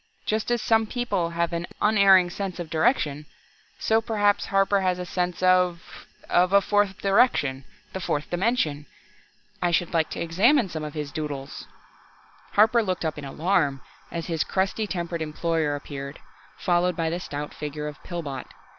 Just as some people have an unerring sense of direction, so perhaps Harper has a sense of of a fourth direction the fourth dimension! I should like to examine some of his 'doodles'." Harper looked up in alarm as his crusty tempered employer appeared, followed by the stout figure of Pillbot.